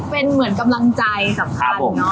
เป็นเหมือนกำลังใจสำคัญเนาะ